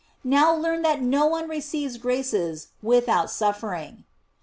Now learn that no one receives graces without suffering."